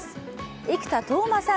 生田斗真さん